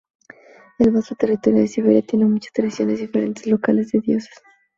El vasto territorio de Siberia tiene muchas tradiciones diferentes locales de dioses.